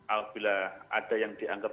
apabila ada yang dianggap